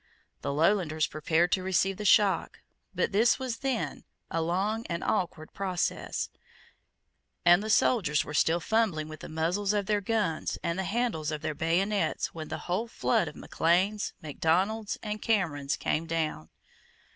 The Lowlanders prepared to receive the shock; but this was then a long and awkward process; and the soldiers were still fumbling with the muzzles of their guns and the handles of their bayonets when the whole flood of Macleans, Macdonalds, and Camerons came down.